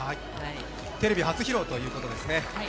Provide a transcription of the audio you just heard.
テレビ初披露ということですね。